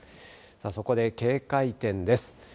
そこで警戒点です。